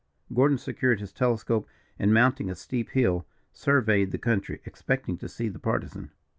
Gordon secured his telescope, and, mounting a steep hill, surveyed the country, expecting to see the Partisan.